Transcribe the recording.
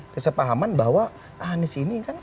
kesepahaman bahwa anies ini kan